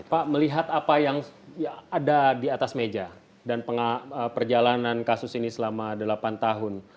pak melihat apa yang ada di atas meja dan perjalanan kasus ini selama delapan tahun